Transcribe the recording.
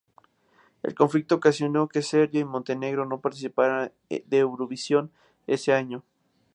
El conflicto ocasionó que Serbia y Montenegro no participara de Eurovisión ese año.